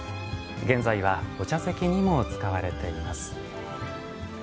現在はお茶席にも使われています。